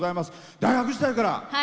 大学時代から。